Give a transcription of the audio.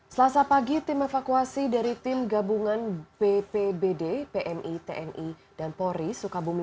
selasa pagi tim evakuasi dari tim gabungan bpbd pmi tni dan polri sukabumi